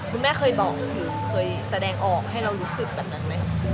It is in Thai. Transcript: คุณแม่เคยบอกถึงเคยแสดงออกให้เรารู้สึกแบบนั้นไหม